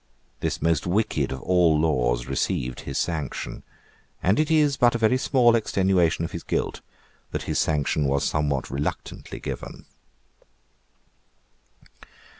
The most wicked of all laws received his sanction; and it is but a very small extenuation of his guilt that his sanction was somewhat reluctantly given.